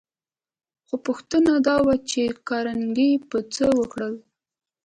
خو پوښتنه دا وه چې کارنګي به څه وکړي